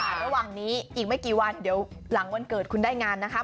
ระหว่างนี้อีกไม่กี่วันเดี๋ยวหลังวันเกิดคุณได้งานนะคะ